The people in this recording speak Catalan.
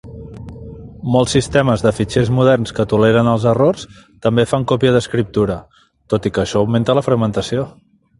Molts sistemes de fitxers moderns que toleren els errors també fan còpia d'escriptura, tot i que això augmenta la fragmentació.